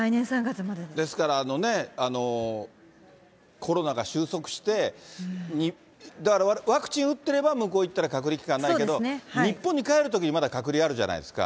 ですから、コロナが収束して、だからワクチン打ってれば、向こう行ったら隔離期間ないけど、日本に帰るときにまだ隔離あるじゃないですか。